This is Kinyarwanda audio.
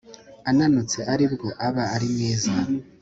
ananutse ari bwo aba ari mwiza